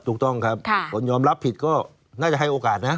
ถูกต้องครับคนยอมรับผิดก็น่าจะให้โอกาสนะ